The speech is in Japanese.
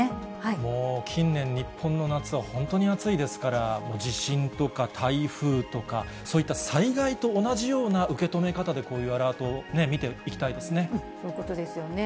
もう近年、日本の夏は本当に暑いですから、地震とか台風とか、そういった災害と同じような受け止め方でこういうアラートを見てそういうことですよね。